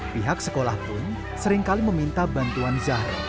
pihak sekolah pun seringkali meminta bantuan zahro